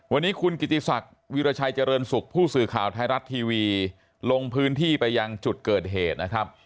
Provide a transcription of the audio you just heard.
วันนี้คุณกิติศักดิ์วิราชัยเจริญสุขผู้สื่อข่าวไทยรัฐทีวีลงพื้นที่ไปยังจุดเกิดเหตุนะครับ